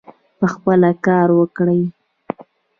پخپله کار وکړي.